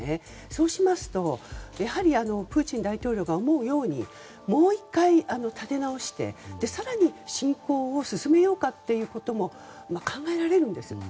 そうしますと、やはりプーチン大統領が思うように、もう１回立て直して更に、侵攻を進めようかということも考えられるんですね。